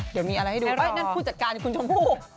เดี๋ยวมีอะไรให้ดูนั่นผู้จัดการคุณชมพู่